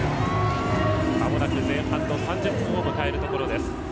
まもなく前半の３０分を迎えるところです。